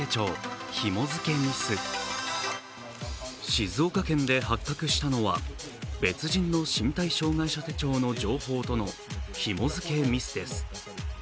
静岡県で発覚したのは別人の身体障害者手帳の情報とのひも付けミスです。